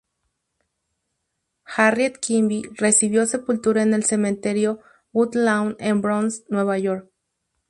Harriet Quimby recibió sepultura en el Cementerio Woodlawn en Bronx, Nueva York.